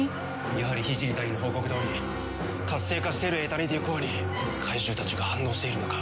やはりヒジリ隊員の報告どおり活性化しているエタニティコアに怪獣たちが反応しているのか？